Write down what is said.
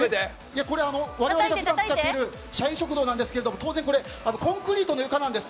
我々が普段使っている社員食堂なんですが当然コンクリートの床なんです。